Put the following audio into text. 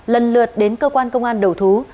lần lượt đến cơ quan công an đầu thú